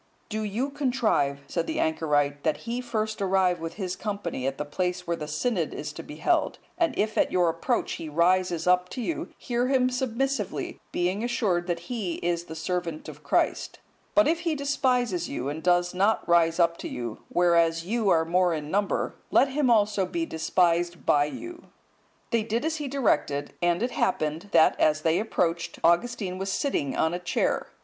—"Do you contrive," said the anchorite, "that he first arrive with his company at the place where the synod is to be held; and if at your approach he rises up to you, hear him submissively, being assured that he is the servant of Christ; but if he despises you, and does not rise up to you, whereas you are more in number, let him also be despised by you." They did as he directed; and it happened, that as they approached, Augustine was sitting on a chair.